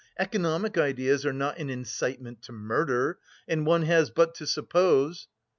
"Economic ideas are not an incitement to murder, and one has but to suppose..."